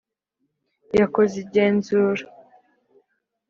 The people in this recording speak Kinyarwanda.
yakoze igenzura.